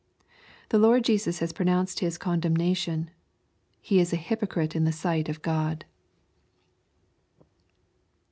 The Lord Jesus has pronounced his condemnation. He b a hypocrite in the sight of God.